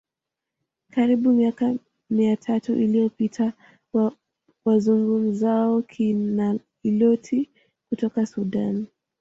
karibu miaka mia tatu iliyopita wa wazungumzao Kinailoti kutoka Sudan